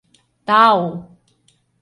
Та-ау!